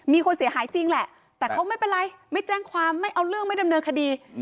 มีคนเสียหายจริงแหละแต่เขาไม่เป็นไรไม่แจ้งความไม่เอาเรื่องไม่ดำเนินคดี